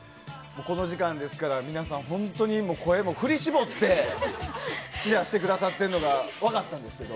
この時間ですから皆さん本当に声も振り絞ってチアしてくださってるのが分かったんですけど。